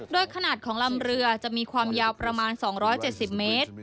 โดยขนาดของลำเรือจะมีความยาวประมาณ๒๗๐เมตร